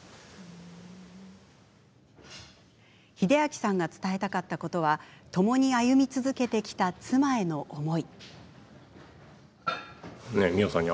秀彰さんが伝えたかったことはともに歩み続けてきた妻への思い。